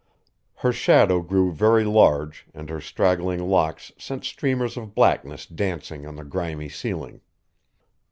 Her shadow grew very large, and her straggling locks sent streamers of blackness dancing on the grimy ceiling.